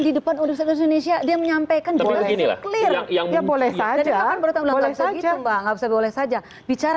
di depan untuk selesai indonesia dia menyampaikan juga beginilah yang boleh saja boleh saja bicara